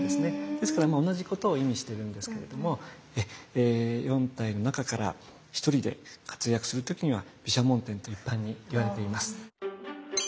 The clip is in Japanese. ですからまあ同じことを意味してるんですけれども４体の中から１人で活躍する時には毘沙門天と一般に言われています。